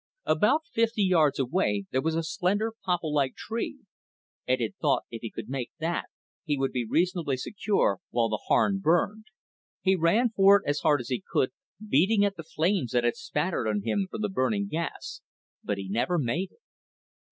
About fifty yards away there was a slender, popplelike tree. Ed had thought if he could make that, he would be reasonably secure while the Harn burned. He ran for it as hard as he could, beating at the flames that had spattered on him from the burning gas, but he never made it.